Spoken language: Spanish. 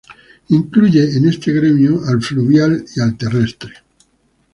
Incluye en este gremio al fluvial y al terrestre.